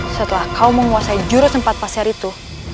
setelah kau menguasai jurus empat pasir itu